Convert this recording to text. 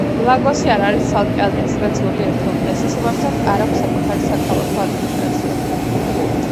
ლაგოსი არ არის ცალკე ადმინისტრაციული ერთეული და შესაბამისად არ აქვს საკუთარი საქალაქო ადმინისტრაცია.